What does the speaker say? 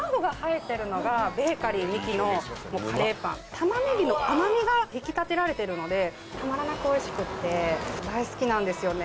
タマネギの甘みが引き立てられてるのでたまらなくおいしくて大好きなんですよね。